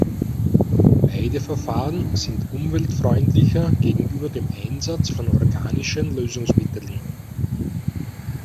Beide Verfahren sind umweltfreundlicher gegenüber dem Einsatz von organischen Lösungsmitteln.